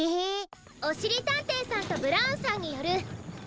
おしりたんていさんとブラウンさんによるえんしんかそくき